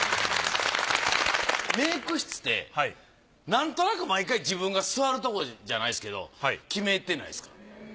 メイク室でなんとなく毎回自分が座るとこじゃないですけど決めてないですか？